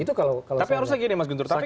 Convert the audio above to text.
tapi harusnya gini mas guntur tapi